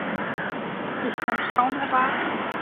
Ich kann’s kaum erwarten!